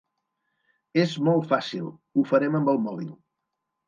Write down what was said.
És molt fàcil, ho farem amb el mòbil.